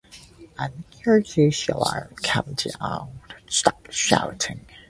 I think you two should calm down and stop shouting.